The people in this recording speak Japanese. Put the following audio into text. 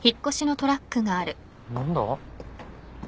何だ？